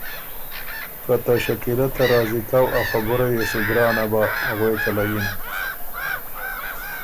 که ته شکیلۀ ته راضی کؤ ا خبُره يې سو ګرانه بَه۔ غوېکه له یِن: